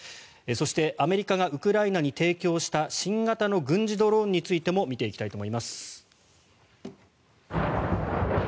そして、アメリカがウクライナに提供した新型の軍事ドローンについても見ていきたいと思います。